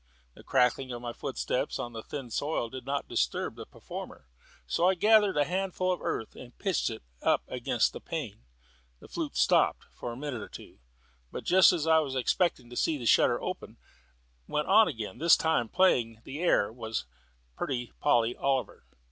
The crackling of my footsteps on the thin soil did not disturb the performer, so I gathered a handful of earth and pitched it up against the pane. The flute stopped for a minute or so, but just as I was expecting to see the shutter open, went on again: this time the air was "Pretty Polly Oliver."